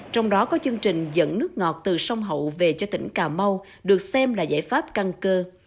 trong đó có chương trình dẫn nước ngọt từ sông hậu về cho tỉnh cà mau được xem là giải pháp căn cơ